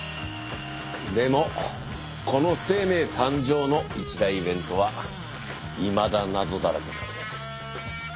でもこの生命誕生の一大イベントはいまだ謎だらけなんです。